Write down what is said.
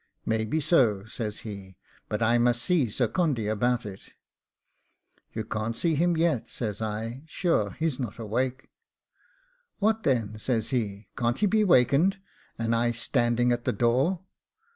'Maybe so,' says he; 'but I must see Sir Condy about it.' 'You can't see him yet,' says I; 'sure he is not awake.' 'What then,' says he, 'can't he be wakened, and I standing at the door?